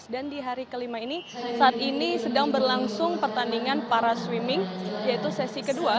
dan di hari kelima ini saat ini sedang berlangsung pertandingan para swimming yaitu sesi kedua